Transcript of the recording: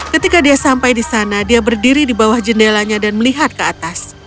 ketika dia sampai di sana dia berdiri di bawah jendelanya dan melihat ke atas